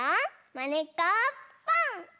「まねっこぽん！」。